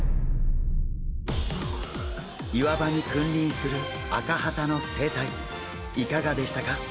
岩場に君臨するアカハタの生態いかがでしたか？